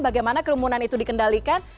bagaimana kerumunan itu dikendalikan